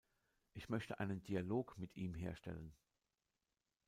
Ich möchte einen Dialog mit ihm herstellen.